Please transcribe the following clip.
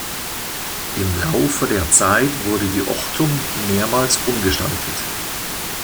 Im Laufe der Zeit wurde die Ochtum mehrmals umgestaltet.